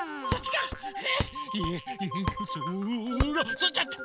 そっちだった！